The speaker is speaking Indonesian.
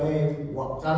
dan memiliki kekuasaan